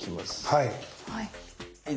はい。